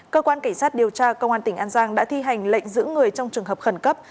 cơ quan cảnh sát điều tra công an tỉnh an giang đã thi hành lệnh giữ người trong trường hợp khẩn cấp